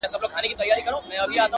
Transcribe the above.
د زنده گۍ ياري كړم-